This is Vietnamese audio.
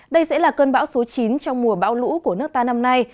đây sẽ là cơn bão số chín trong mùa bão lũ của nước ta năm nay